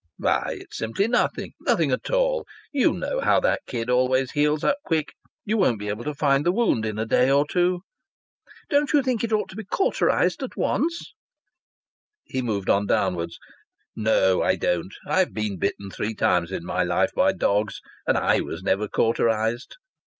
"Why, it's simply nothing. Nothing at all. You know how that kid always heals up quick. You won't be able to find the wound in a day or two." "Don't you think it ought to be cauterized at once?" He moved on downwards. "No, I don't. I've been bitten three times in my life by dogs. And I was never cauterized."